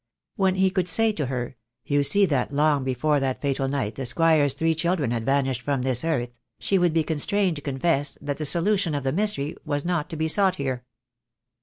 When he could say to her, "You see that long before that fatal night the Squire's three children had vanished from this earth," she would be constrained to confess that the solution of the mystery was not to be sought here.